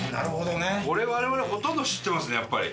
これ我々ほとんど知ってますねやっぱり。